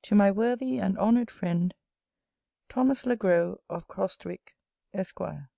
TO MY WORTHY AND HONOURED FRIEND, THOMAS LE GROS, OF CROSTWICK, ESQUIRE.